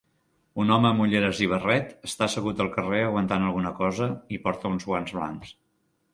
Un home amb ulleres i barret està assegut al carrer aguantant alguna cosa i porta uns guants blancs